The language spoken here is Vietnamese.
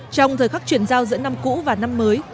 trong thời khắc chuyển giao giữa năm cũ và năm mới